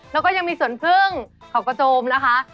และก็ยังมีส่วนผึ้งข่ากระโจมนะคะ